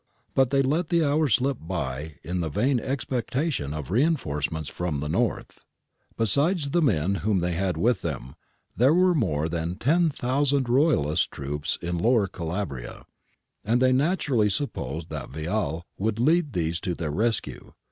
But they let the hours slip by in the vain expectation of reinforcements from the north. Besides the men whom they had with them, there were more than 10,000 Royalist troops in Lower Calabria,^ and they naturally supposed that Vial would lead these to their rescue.